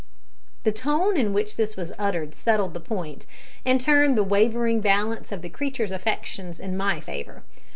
The tone in which this was uttered settled the point, and turned the wavering balance of the creature's affections in my favour.